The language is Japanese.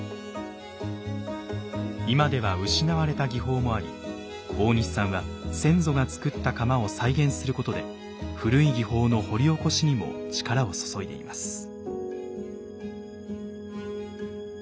今では失われた技法もあり大西さんは先祖が作った釜を再現することで古い技法の掘り起こしにも力を注いでいます。